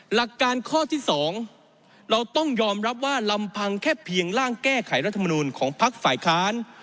หลักการข้อที่๒เราต้องยอมรับว่าลำพังแค่เพียงร่างแก้ไขรัฐมนูลของพักฝ่ายค้าน